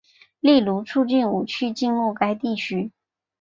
例如促进武器进入该地区。